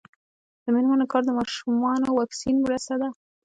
د میرمنو کار د ماشومانو واکسین مرسته ده.